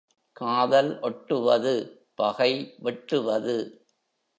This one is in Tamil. காதல் ஒட்டுவது பகை வெட்டுவது.